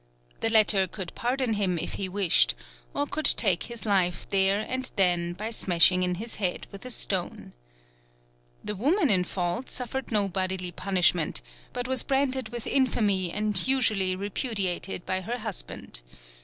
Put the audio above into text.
The latter could pardon him if he wished, or could take his life there and then by smashing in his head with a stone. The woman in fault suffered no bodily punishment, but was branded with infamy and usually repudiated by her husband.